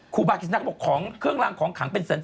ครูบากิษณะของเครื่องรางของขังเป็นแสนนะ